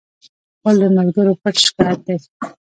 غول د ملګرو پټ شکایت دی.